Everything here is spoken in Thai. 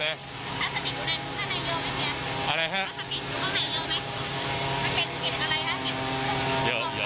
แล้วสะกิดข้างในเยอะไหมเฮียสะกิดข้างในเยอะไหมมันเป็นกิจอะไรฮะ